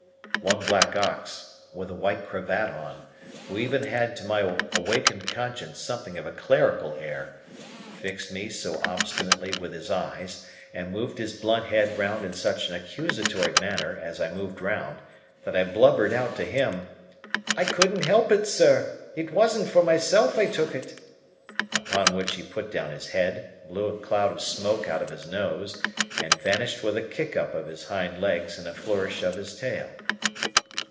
One black ox, with a white cravat on,—who even had to my awakened conscience something of a clerical air,—fixed me so obstinately with his eyes, and moved his blunt head round in such an accusatory manner as I moved round, that I blubbered out to him, "I couldn't help it, sir! It wasn't for myself I took it!" Upon which he put down his head, blew a cloud of smoke out of his nose, and vanished with a kick up of his hind legs and a flourish of his tail.